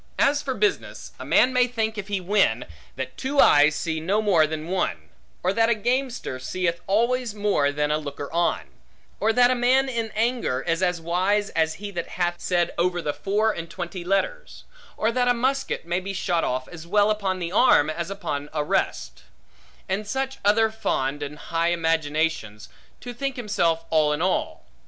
As for business, a man may think, if he win, that two eyes see no more than one; or that a gamester seeth always more than a looker on; or that a man in anger, is as wise as he that hath said over the four and twenty letters; or that a musket may be shot off as well upon the arm, as upon a rest; and such other fond and high imaginations, to think himself all in all.